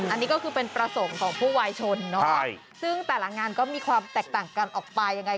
อันนี้ก็คือเป็นประสงค์ของผู้วายชนเนาะซึ่งแต่ละงานก็มีความแตกต่างกันออกไปยังไง